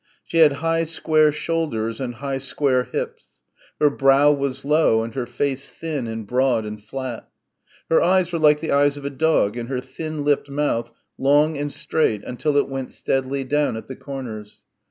She had high square shoulders and high square hips her brow was low and her face thin broad and flat. Her eyes were like the eyes of a dog and her thin lipped mouth long and straight until it went steadily down at the corners.